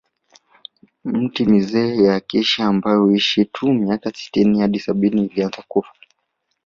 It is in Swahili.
Miti mizee ya Acacia ambayo huishi tu miaka sitini hadi sabini ilianza kufa